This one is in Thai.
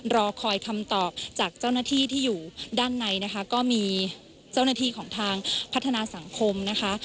รอคอยคำตอบจากเจ้าหน้าที่ที่อยู่ด้านในนะคะก็มีเจ้าหน้าที่ของทางพัฒนาสังคมนะคะ